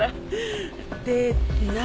で何？